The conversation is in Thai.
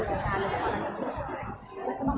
เวลาแรกพี่เห็นแวว